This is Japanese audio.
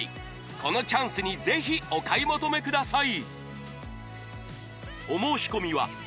このチャンスにぜひお買い求めください